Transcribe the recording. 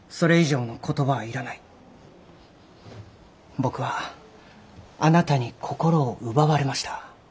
僕はあなたに心を奪われました。